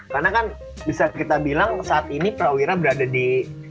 karena kan bisa kita bilang saat ini prawira berada di